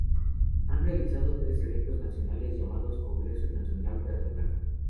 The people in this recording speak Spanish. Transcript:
Han realizado tres eventos nacionales llamados "Congreso Nacional Peatonal.